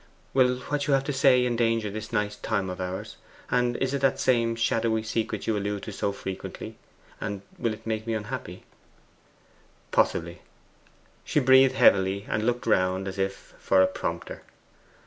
'Will what you have to say endanger this nice time of ours, and is it that same shadowy secret you allude to so frequently, and will it make me unhappy?' 'Possibly.' She breathed heavily, and looked around as if for a prompter.